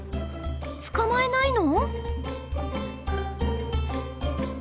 捕まえないの？